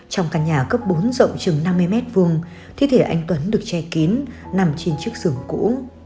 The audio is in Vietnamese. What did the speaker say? trong căn nhà cấp bốn rộng chừng năm mươi m hai thi thể anh tuấn được che kín nằm trên chiếc xưởng cũ